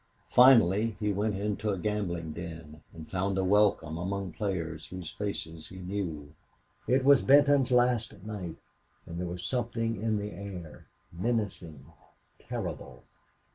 Finally he went into a gambling den and found a welcome among players whose faces he knew. It was Benton's last night, and there was something in the air, menacing, terrible.